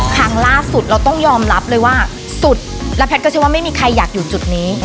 ครั้งล่าสุดเราต้องยอมรับเลยว่าสุดแล้วแพทย์ก็เชื่อว่าไม่มีใครอยากอยู่จุดนี้